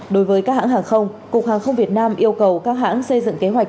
đối với các hãng hàng không cục hàng không việt nam yêu cầu các hãng xây dựng kế hoạch